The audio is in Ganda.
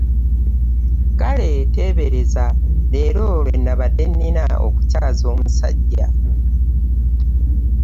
Kale teebereza leero lwe nabadde nnina okukyaza omusajja.